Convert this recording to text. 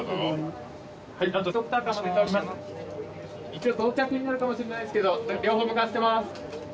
一応同着になるかもしれないですけど両方向かわせてます